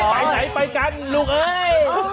ไปไหนไปกันลูกเอ้ย